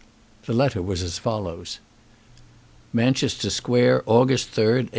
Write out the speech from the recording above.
The letter was as follows: Manchester Square, August 3, 187